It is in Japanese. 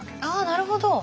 あなるほど。